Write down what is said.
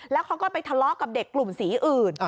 แล้วเขาก็ไปทะเลาะกับเด็กกลุ่มสีอื่น